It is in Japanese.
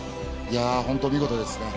本当に見事ですね。